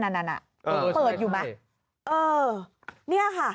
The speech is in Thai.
นั่นน่ะเปิดอยู่ไหมเออเนี่ยค่ะ